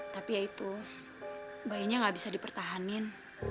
tapi ya itu bayinya gak bisa dipertahanin